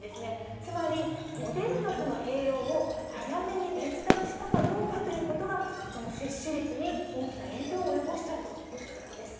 つまり、モデルナとの併用を早めに決断したかどうかということが、この接種率に大きな影響を及ぼしたということなんです。